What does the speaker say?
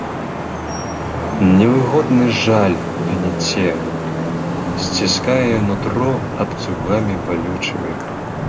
Невыгодны жаль гняце, сціскае нутро абцугамі балючымі.